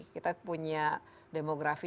kita punya demografi